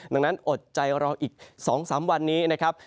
ดังนั้นอดใจรออีก๒๓วันนี้นะครับ